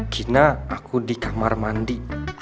kina aku di kamar mandi